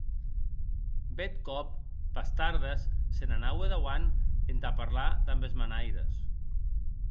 Bèth còp, pes tardes, se n’anaue dauant entà parlar damb es menaires.